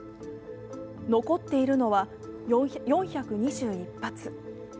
残っているのは４２１発。